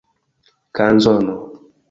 kanzono